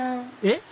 えっ？